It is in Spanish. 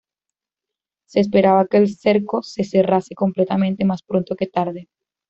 Se esperaba que el cerco se cerrase completamente más pronto que tarde.